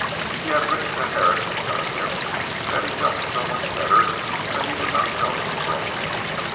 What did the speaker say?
He had written to Herrick telling him he felt so much better that he would not go abroad.